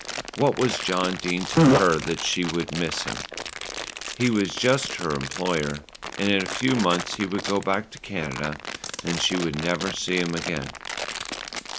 What was John Dene to her that she should miss him? He was just her employer, and in a few months he would go back to Canada, and she would never see him again.